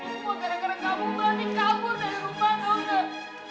ini semua gara gara kamu melati kabur dari rumah tau gak